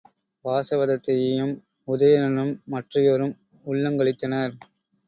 வாசவதத்தையும் உதயணனும் மற்றையோரும் உள்ளங்களித்தனர்.